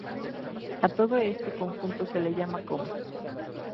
A todo este conjunto se le llama coma.